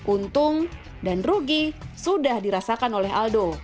untung dan rugi sudah dirasakan oleh aldo